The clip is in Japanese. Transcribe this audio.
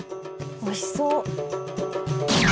おいしそう！